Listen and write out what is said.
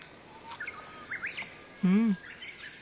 うん。